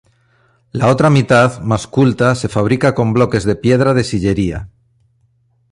La otra mitad, más culta, se fabrica con bloques de piedra de sillería.